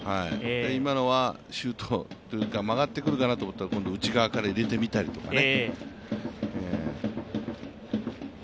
今のはシュートというか、曲がってくるかなと思ったら今度内側から入れてみたりとかね。